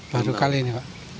baru kali ini pak